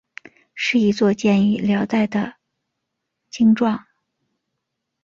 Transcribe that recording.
是一座建于辽代的经幢。